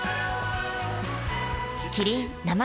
キリン「生茶」